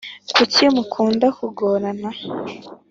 kucyi mukunda kugorana